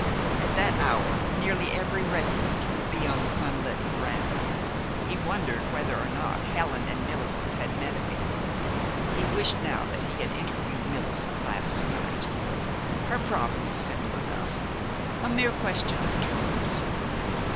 At that hour, nearly every resident would be on the sunlit veranda. He wondered whether or not Helen and Millicent had met again. He wished now he had interviewed Millicent last night. Her problem was simple enough, a mere question of terms.